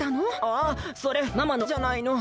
あっそれママのじゃないの！